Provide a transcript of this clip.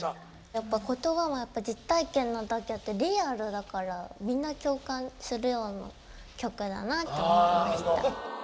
やっぱ言葉は実体験なだけあってリアルだからみんな共感するような曲だなって思いました。